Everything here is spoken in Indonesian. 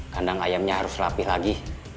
kandang ayamnya harus rapih lagi